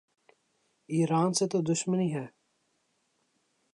ایران سے تو دشمنی ہے۔